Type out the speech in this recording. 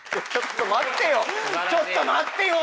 ちょっと待ってよ！